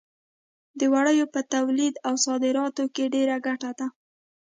د وړیو په تولید او صادراتو کې ډېره ګټه ده.